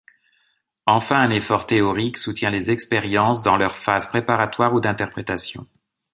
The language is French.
Enfin un effort théorique soutient les expériences dans leurs phases préparatoires ou d’interprétation.